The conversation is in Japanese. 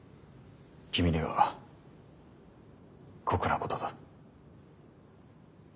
君には酷なことだ。